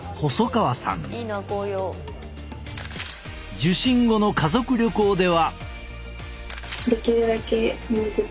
受診後の家族旅行では。